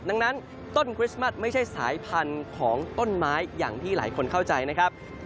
ดังนั้นต้นคริสต์มัสไม่ใช่สายพันธุ์ของต้นไม้อย่างที่หลายคนเข้าใจนะครับ